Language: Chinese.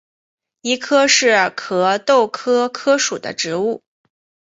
谊柯是壳斗科柯属的植物。